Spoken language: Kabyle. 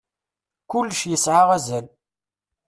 Kullec yesɛa azal.